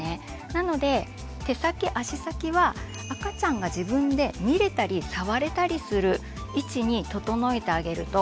なので手先足先は赤ちゃんが自分で見れたり触れたりする位置に整えてあげると。